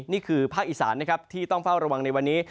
นี่คือภาคอีสานนะครับที่ต้องเฝ้าระวังในวันนี้